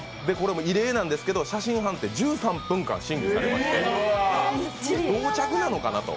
異例なんですけど写真判定、１３分間審議されまして同着なのかなと。